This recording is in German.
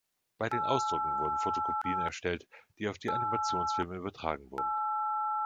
Bei den Ausdrucken wurden Fotokopien erstellt, die auf die Animationsfilme übertragen wurden.